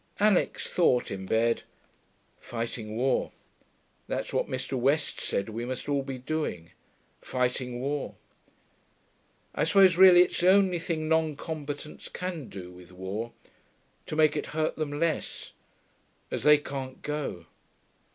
Alix thought, in bed, 'Fighting war. That's what Mr. West said we must all be doing. Fighting war. I suppose really it's the only thing non combatants can do with war, to make it hurt them less ... as they can't go....'